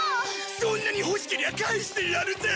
そんなに欲しけりゃ返してやるぜ！